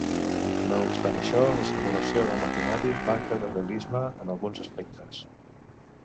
No obstant això, la simulació del maquinari manca de realisme en alguns aspectes.